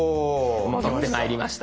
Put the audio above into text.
戻ってまいりました。